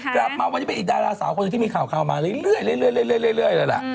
กลับมาวันนี้เป็นอีกดาราสาวคนที่มีข่าวมาเรื่อยแล้วแหละ